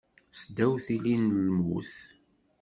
Seddaw tilli n lmut.